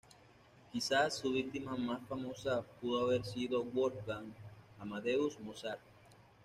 Quizás su víctima más famosa pudo haber sido Wolfgang Amadeus Mozart.